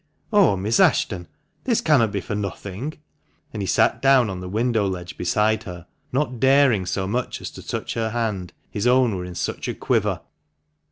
oh, Miss Ashton, this cannot be for nothing," and he sat down on the window ledge beside her, not daring so much as to touch her hand, his own were in such a quiver.